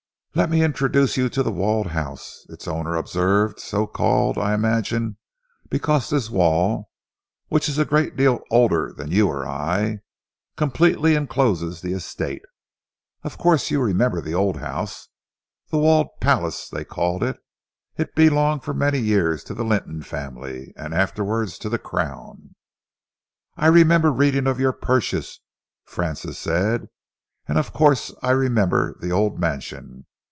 "Let me introduce you to The Walled House," its owner observed, "so called, I imagine, because this wall, which is a great deal older than you or I, completely encloses the estate. Of course, you remember the old house, The Walled Palace, they called it? It belonged for many years to the Lynton family, and afterwards to the Crown." "I remember reading of your purchase," Francis said, "and of course I remember the old mansion.